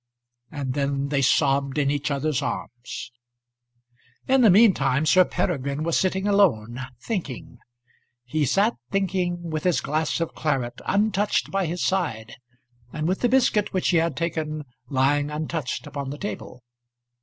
And then they sobbed in each other's arms. In the mean time Sir Peregrine was sitting alone, thinking. He sat thinking, with his glass of claret untouched by his side, and with the biscuit which he had taken lying untouched upon the table.